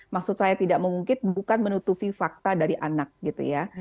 maksud saya tidak mengungkit bukan menutupi fakta dari anak gitu ya